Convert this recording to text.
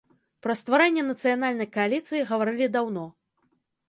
Пра стварэнне нацыянальнай кааліцыі гаварылі даўно.